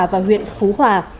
và huyện phú hòa